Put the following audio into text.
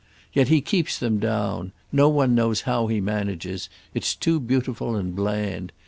Yet he keeps them down: no one knows how he manages; it's too beautiful and bland.